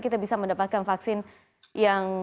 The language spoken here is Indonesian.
kita bisa mendapatkan vaksin yang